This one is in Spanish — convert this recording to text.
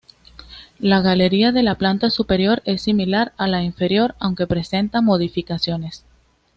La galería de la planta superior es similar a la inferior aunque presenta modificaciones.